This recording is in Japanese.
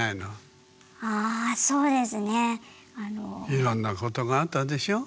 いろんなことがあったでしょ？